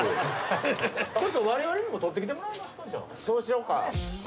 そうしようか。